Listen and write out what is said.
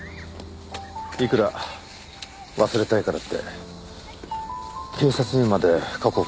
いくら忘れたいからって警察にまで過去を隠すなんて。